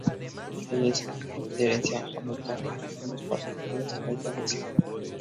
Ella es de herencia jamaicana, con ambos padres nacidos en la isla nación.